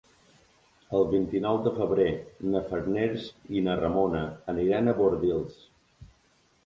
El vint-i-nou de febrer na Farners i na Ramona aniran a Bordils.